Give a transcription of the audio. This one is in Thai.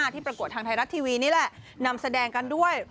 ประกวดทางไทยรัฐทีวีนี่แหละนำแสดงกันด้วย